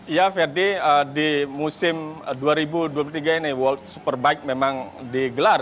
ya ferdi di musim dua ribu dua puluh tiga ini world superbike memang digelar